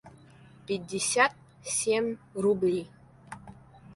пятьдесят семь рублей